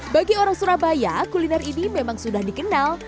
bagi orang surabaya kuliner ini memang sudah dikenal